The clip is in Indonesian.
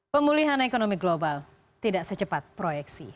pemulihan ekonomi global tidak secepat proyeksi